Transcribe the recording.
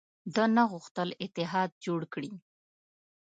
ده نه غوښتل اتحاد جوړ کړي.